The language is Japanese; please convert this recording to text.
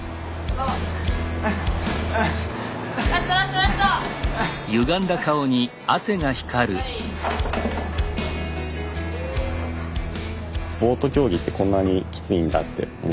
ボート競技ってこんなにきついんだって日々感じてます。